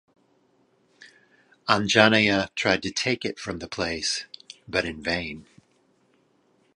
Anjaneya tried to take it from the place but in vain.